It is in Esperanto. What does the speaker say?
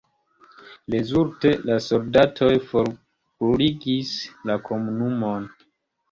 Rezulte la soldatoj forbruligis la komunumon.